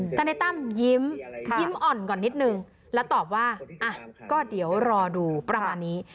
ทนายตั้มยิ้มยิ้มอ่อนก่อนนิดนึงแล้วตอบว่าก็เดี๋ยวรอดูประมาณนี้